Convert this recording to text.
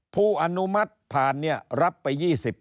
อนุมัติผ่านเนี่ยรับไป๒๐